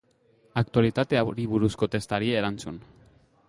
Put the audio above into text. Aktualitateari buruzko testari erantzun.